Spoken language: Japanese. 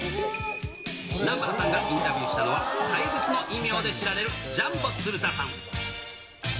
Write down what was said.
南原さんがインタビューしたのは、怪物の異名で知られるジャンボ鶴田さん。